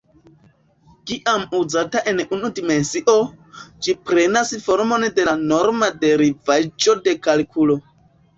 Kiam uzata en unu dimensio, ĝi prenas formon de la norma derivaĵo de kalkulo.